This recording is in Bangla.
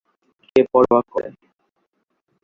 কে পরোয়া করে?